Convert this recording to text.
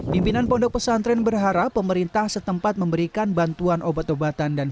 pimpinan pondok pesantren berharap pemerintah setempat memberikan bantuan obat obatan dan